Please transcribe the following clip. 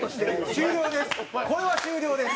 終了です！